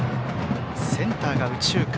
センターが右中間。